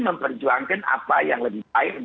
memperjuangkan apa yang lebih baik